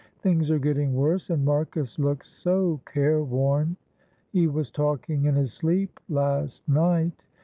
"Things are getting worse, and Marcus looks so careworn; he was talking in his sleep last night.